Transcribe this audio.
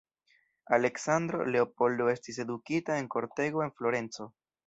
Aleksandro Leopoldo estis edukita en kortego de Florenco.